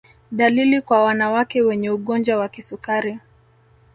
Dalili kwa wanawake wenye ugonjwa wa kisukari